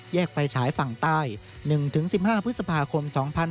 ไฟฉายฝั่งใต้๑๑๕พฤษภาคม๒๕๖๒